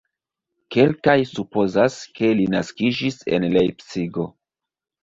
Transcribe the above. Kelkaj supozas, ke li naskiĝis en Lejpcigo.